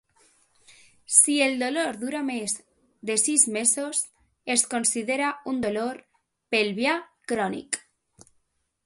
Si el dolor dura més de sis mesos, es considera un dolor pelvià crònic.